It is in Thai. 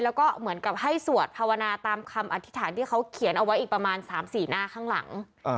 แล้วก็เหมือนกับให้สวดภาวนาตามคำอธิษฐานที่เขาเขียนเอาไว้อีกประมาณ๓๔หน้าข้างหลัง